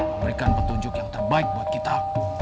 memberikan petunjuk yang terbaik buat kita